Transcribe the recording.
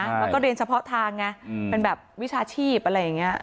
แล้วก็เรียนเฉพาะทางไงเป็นแบบวิชาชีพอะไรอย่างนี้